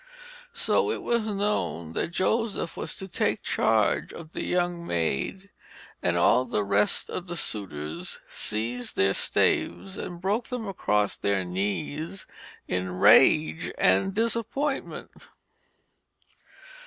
So it was known that Joseph was to take charge of the young maid, and all the rest of the suitors seized their staves and broke them across their knees in rage and disappointment.